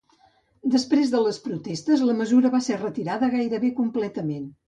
Després de les protestes, la mesura va ser retirada gairebé completament.